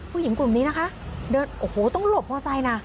ผู้หญิงกลุ่มนี้นะคะโอ้โฮต้องหลบมอเตอร์ไซค์นะ